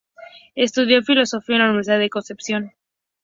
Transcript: Estudió filosofía en la Universidad de Concepción.